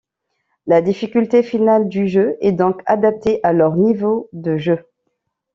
La difficulté finale du jeu est donc adapté à leur niveau de jeu.